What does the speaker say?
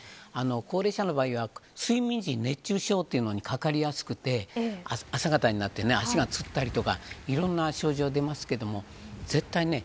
高齢者の場合は睡眠時熱中症というのにかかりやすくて朝方になって足がつったりとかいろんな症状出ますけれども絶対ね